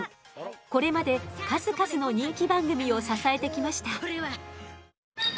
これまで数々の人気番組を支えてきました。